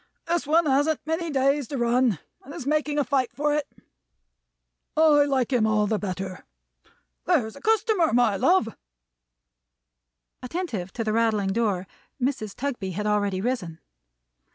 This one hasn't many days to run, and is making a fight for it. I like him all the better. There's a customer, my love!" Attentive to the rattling door, Mrs. Tugby had already risen.